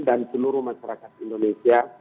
dan seluruh masyarakat indonesia